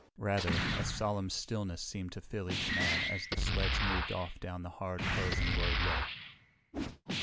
Rather, a solemn stillness seemed to fill each man as the sleds moved off down the hard, frozen roadway.